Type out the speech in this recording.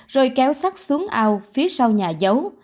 rồi kéo sắt xuống ao phía sau nhà giấu